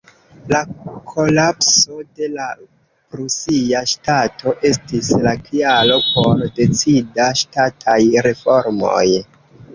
La kolapso de la prusia ŝtato estis la kialo por decidaj ŝtataj reformoj.